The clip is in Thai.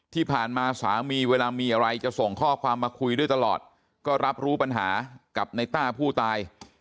ที่ผ่านมาสามีเวลามีอะไรจะส่งข้อความมาคุยด้วยตลอดก็รับรู้ปัญหากับในต้าผู้ตาย